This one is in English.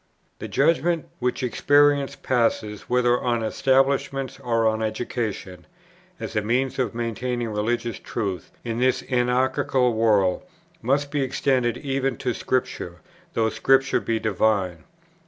The judgment, which experience passes whether on establishments or on education, as a means of maintaining religious truth in this anarchical world, must be extended even to Scripture, though Scripture be divine.